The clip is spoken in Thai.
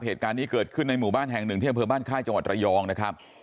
เหตุการณ์นี้เกิดขึ้นในหมู่บ้านแห่งหนึ่งที่อำเภอบ้านค่ายจังหวัดระยองนะครับ